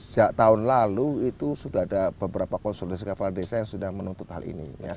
setahun lalu itu sudah ada beberapa konsul desa yang sudah menuntut hal ini